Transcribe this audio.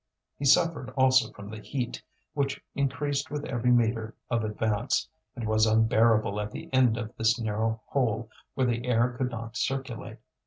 He suffered also from the heat, which increased with every metre of advance, and was unbearable at the end of this narrow hole where the air could not circulate.